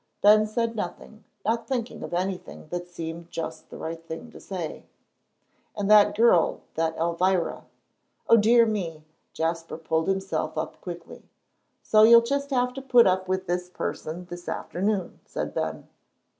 Ben said nothing, not thinking of anything that seemed just the right thing to say. "And that girl that Elvira. O dear me!" Jasper pulled himself up quickly. "So you'll just have to put up with this person this afternoon," said Ben.